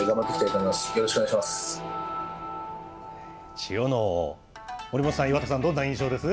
千代ノ皇、守本さん、岩田さん、どんな印象です？